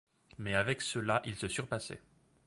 Mais, avec ceux-là, il se surpassait.